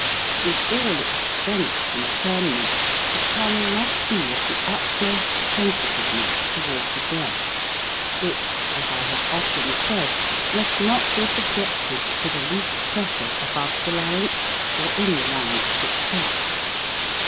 With all its strength and firmness the tongue must be of the utmost sensitiveness toward the breath, which, as I have often said, must not be subjected to the least pressure above the larynx or in the larynx itself.